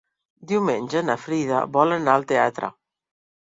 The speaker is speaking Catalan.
Diumenge na Frida vol anar al teatre.